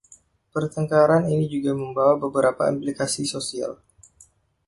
Pertengkaran ini juga membawa beberapa implikasi sosial.